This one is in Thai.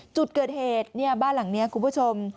จุดเกิดเหตุเนี่ยบ้านหลังนี้คุณผู้ชม